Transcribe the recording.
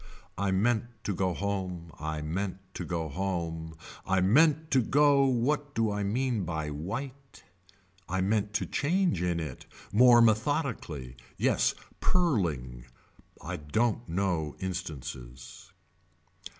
I meant to go home. I meant to go home. I meant to go what do I mean by white. I meant to change in it. More methodically. Yes purling. I don't know instances.